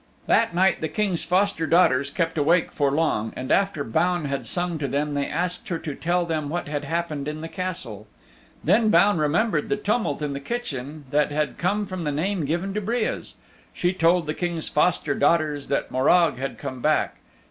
That night the King's foster daughters kept awake for long, and after Baun had sung to them they asked her to tell them what had happened in the Castle. Then Baun remembered the tumult in the kitchen that had come from the name given to Breas. She told the King's foster daughters that Morag had come back.